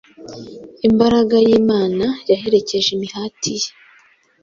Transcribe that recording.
Imbaraga y’Imana yaherekeje imihati ye